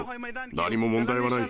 何も問題はない。